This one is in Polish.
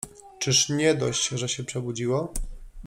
Czyż nie dość, że się przebudziło?